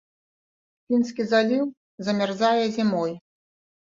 Фінскі заліў замярзае зімой.